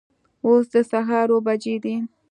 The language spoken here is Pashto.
اوس د سهار اوه بجې دي